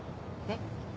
えっ？